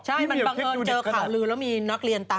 ใช่มันบังเอิญเจอข่าวลือแล้วมีนักเรียนตาม